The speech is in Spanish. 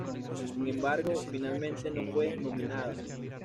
Sin embargo, finalmente no fue nominada.